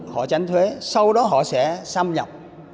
họ tránh thuế sau đó họ sẽ xâm nhập